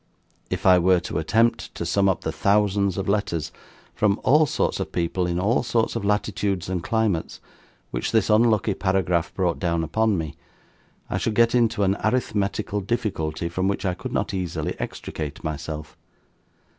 If I were to attempt to sum up the thousands of letters, from all sorts of people in all sorts of latitudes and climates, which this unlucky paragraph brought down upon me, I should get into an arithmetical difficulty from which I could not easily extricate myself.